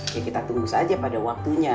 ya kita tunggu saja pada waktunya